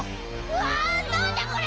うわなんだこれ！